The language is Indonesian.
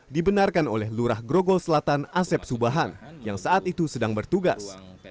dibenarkan oleh lurah grogol selatan asep subahan yang saat itu sedang bertugas